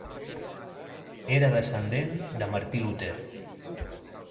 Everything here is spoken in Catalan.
Era descendent de Martí Luter.